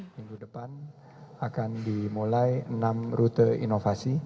minggu depan akan dimulai enam rute inovasi